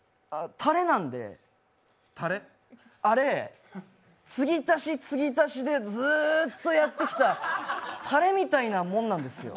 たれなんで、あれつぎ足しつぎ足しでずっとやってきたたれみたいなもんなんですよ。